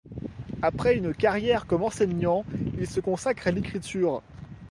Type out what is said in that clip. Après une carrière comme enseignant, il se consacre à l’écriture.